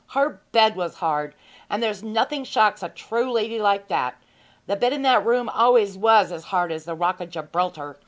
'Her bed was hard! and there's nothing shocks a true lady like that. The bed in that room always was as hard as the Rock of Gibraltar!'